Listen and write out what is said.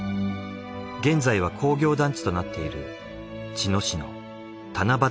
現在は工業団地となっている。